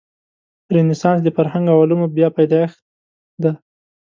رنسانس د فرهنګ او علومو بیا پیدایښت دی.